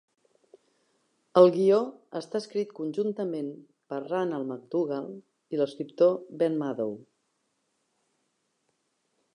El guió està escrit conjuntament per Ranald MacDougall i l"escriptor Ben Maddow.